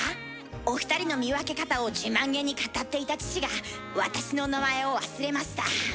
お二人の見分け方を自慢げに語っていた父が私の名前を忘れました。